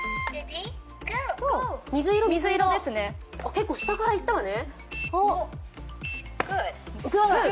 結構下からいったわね。